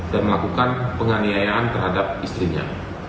dan melakukan penganiayaan terhadap istrinya